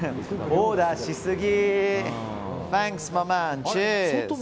オーダーしすぎ。